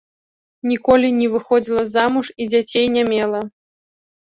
Ніколі не выходзіла замуж і дзяцей не мела.